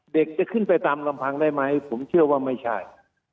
เด็กจะขึ้นไปตามลำพังได้ไหมผมเชื่อว่าไม่ใช่